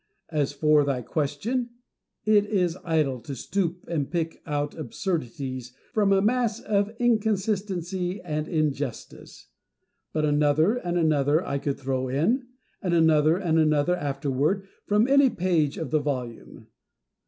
As for thy question, it is idle to stoop and pick out absurdities from a mass of inconsistency and injustice ; but another and another I could throw in, and another and another afterward, from any page in the volume.